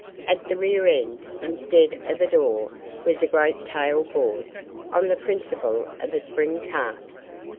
At the rear end, instead of a door, was a great tail board, on the principle of a spring cart.